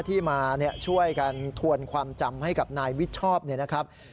ที่มาช่วยกันทวนความจำให้กับนายวิชชอบเนี่ยนะครับ